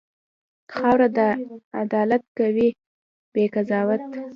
خاوره عدالت کوي، بې قضاوت.